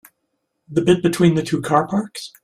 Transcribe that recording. The bit between the two car parks?